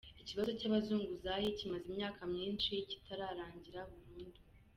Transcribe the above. Ikibazo cy’abazunguzayi kimaze imyaka myinshi kitarangira burundu.